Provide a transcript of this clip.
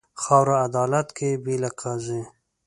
خاوره عدالت کوي، بې له قاضي.